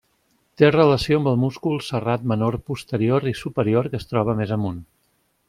Té relació amb el múscul serrat menor posterior i superior que es troba més amunt.